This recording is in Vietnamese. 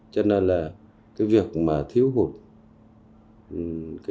cho nên là việc thiếu hồi